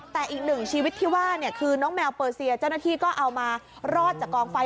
แต่อีกหนึ่งชีวิตที่ว่าเนี่ยคือน้องแมวเปอร์เซียเจ้าหน้าที่ก็เอามารอดจากกองไฟ